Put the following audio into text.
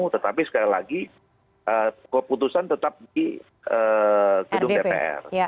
tetapi sekali lagi keputusan tetap di gedung dpr